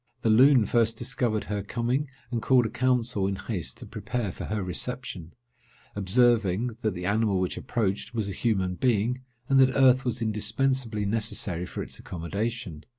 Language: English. The Loon first discovered her coming, and called a council in haste to prepare for her reception; observing, that the animal which approached was a human being, and that earth was indispensably necessary for its accommodation.